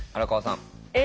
え